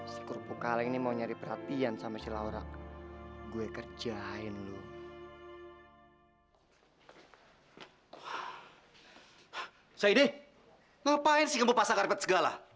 sampai jumpa di video selanjutnya